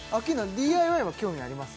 ＤＩＹは興味あります？